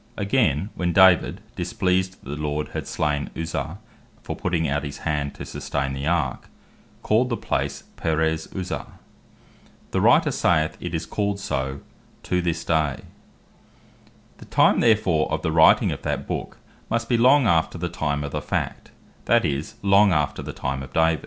(2. Sam. 6.4.) Again, when David (displeased, that the Lord had slain Uzzah, for putting out his hand to sustain the Ark,) called the place Perez Uzzah, the Writer saith, it is called so "to this day": the time therefore of the writing of that Book, must be long after the time of the fact; that is, long after the time of David.